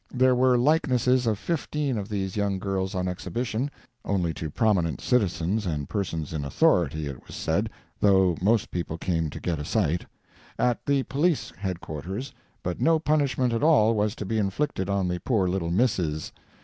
There were likenesses of fifteen of these young girls on exhibition (only to prominent citizens and persons in authority, it was said, though most people came to get a sight) at the police headquarters, but no punishment at all was to be inflicted on the poor little misses.